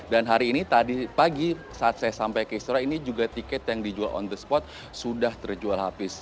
dan hari ini tadi pagi saat saya sampai ke istora ini juga tiket yang dijual on the spot sudah terjual habis